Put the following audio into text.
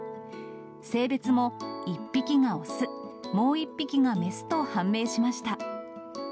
性別も１匹が雄、もう１匹が雌と判明しました。